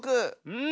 うん。